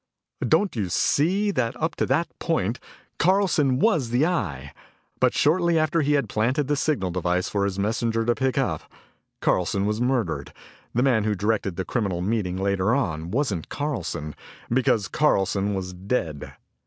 "Don't you see that up to that point, Carlson was the Eye. But shortly after he had planted the signal device for his messenger to pick up, Carlson was murdered. The man who directed the criminal meeting later on wasn't Carlson, because Carlson was dead.